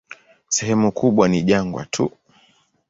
Sehemu kubwa ni jangwa tu.